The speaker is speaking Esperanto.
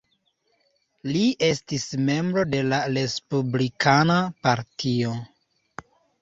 Li estis membro de la Respublikana Partio.